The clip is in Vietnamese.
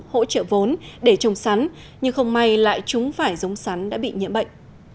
hỗ trợ vốn để trồng sắn nhưng không may lại chúng phải giống sắn đã bị nhiễm bệnh